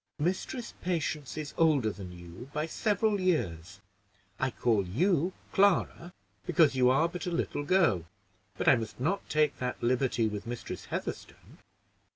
"Mistress Patience is older than you by several years. I call you Clara, because you are but a little girl; but I must not take that liberty with Mistress Heatherstone."